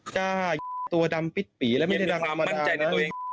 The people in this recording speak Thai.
จ้ะตัวดำปิ๊ดปี๋แล้วไม่ได้ดำอย่างภามารานะ